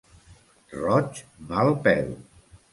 Roig, mal pèl.